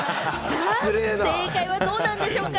正解はどうなんでしょうか？